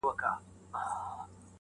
صلاحیتونه ظاهر ته راویستي دي